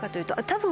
多分。